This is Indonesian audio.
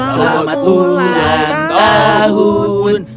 selamat ulang tahun